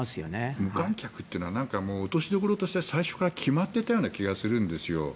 無観客というのは落としどころとしては最初から決まっていたような気がするんですよ。